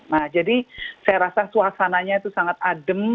nah jadi saya rasa suasananya itu sangat adem